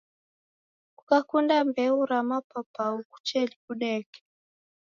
Kukakunda mbeu ra mapapau kuche nikuneke